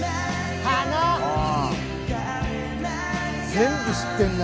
全部知ってんな。